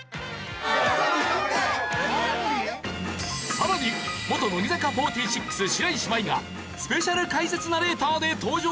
さらに元乃木坂４６白石麻衣がスペシャル解説ナレーターで登場。